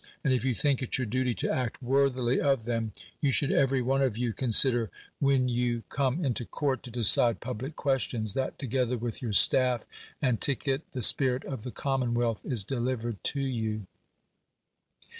And if you tliinlc it your duly to act woi'tluly of them, you should every one of you consider, when you 16 5 THE WORLD'S FAMOUS ORATIONS come into court to decide public questions, that together with your staff and ticket the spirit of the commonwealth is delivered to you.